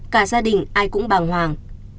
cả gia đình ai cũng bàng hoàng